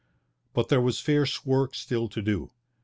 But there was fierce work still to do.